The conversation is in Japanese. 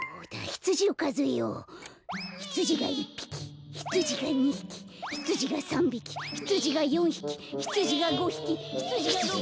ひつじが１ぴきひつじが２ひきひつじが３びきひつじが４ひきひつじが５ひきひつじが６ぴき。